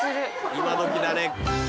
今どきだね。